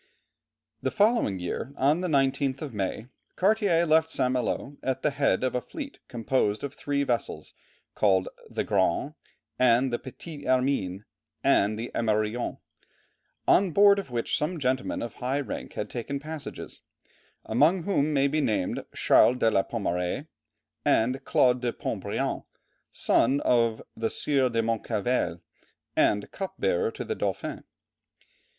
The following year, on the 19th of May, Cartier left St. Malo at the head of a fleet composed of three vessels called the Grande and the Petite Hermine and the Emerillon on board of which some gentlemen of high rank had taken passages, among whom may be named Charles de la Pommeraye, and Claude de Pont Briant, son of the Sieur de Moncevelles and cup bearer to the Dauphin.